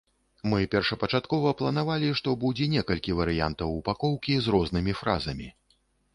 Мы першапачаткова планавалі, што будзе некалькі варыянтаў упакоўкі з рознымі фразамі.